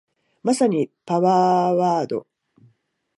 まさにパワーワード